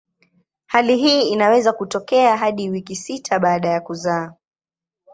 Hali hii inaweza kutokea hadi wiki sita baada ya kuzaa.